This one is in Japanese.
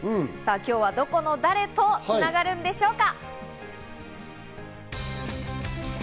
今日はどこの誰とつながるんでしょうか？